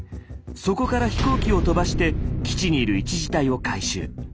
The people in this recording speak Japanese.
そこから飛行機を飛ばして基地にいる１次隊を回収。